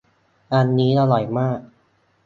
อันนี้อร่อยมาก